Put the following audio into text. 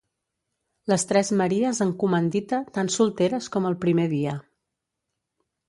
Les tres Maries en comandita tan solteres com el primer dia